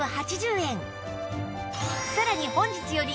さらに本日より